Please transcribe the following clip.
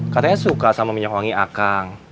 katanya suka sama minyak wangi akang